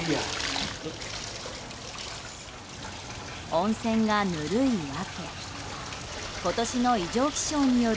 温泉がぬるい訳。